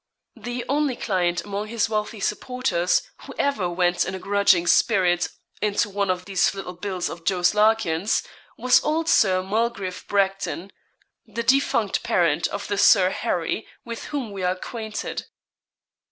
The only client among his wealthy supporters, who ever went in a grudging spirit into one of these little bills of Jos. Larkin's, was old Sir Mulgrave Bracton the defunct parent of the Sir Harry, with whom we are acquainted.